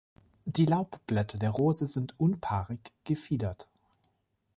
Die Laubblätter der Rose sind unpaarig-gefiedert.